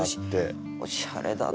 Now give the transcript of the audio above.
おしゃれだな。